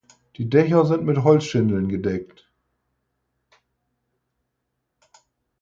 Die Dächer sind mit Holzschindeln gedeckt.